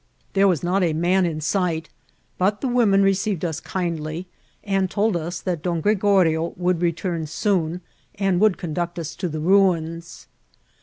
There was not a man in sight ; but the women receiv ed us kindly, and told us that Don Gregorio would return soon^ and would conduct us to the ruins.